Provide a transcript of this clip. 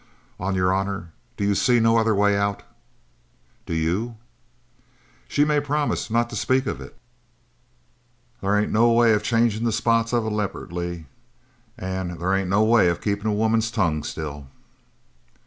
"On your honour, do you see no other way out?" "Do you?" "She may promise not to speak of it." "There ain't no way of changin' the spots of a leopard, Lee, an' there ain't no way of keepin' a woman's tongue still."